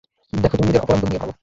দেখো, তুমি নিজের অপরাধবোধ নিয়ে ভাবো।